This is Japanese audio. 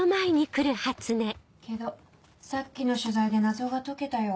・けどさっきの取材で謎が解けたよ・